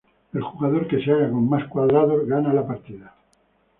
El jugador que se haga con más cuadrados gana la partida.